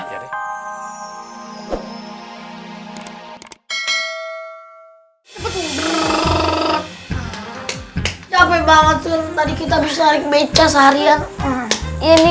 capek banget tadi kita bisa rinkemeca seharian ini